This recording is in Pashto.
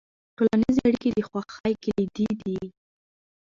ټولنیزې اړیکې د خوښۍ کلیدي دي.